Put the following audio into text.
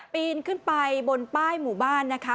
ปีนขึ้นไปบนป้ายหมู่บ้านนะคะ